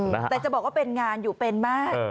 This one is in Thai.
แต่จะบอกว่าเป็นงานอยู่เป็นมาก